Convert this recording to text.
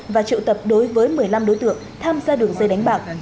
và triệu tập đối với một mươi năm đối tượng tham gia đường dây đánh bạc